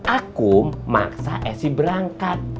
akum maksa esi berangkat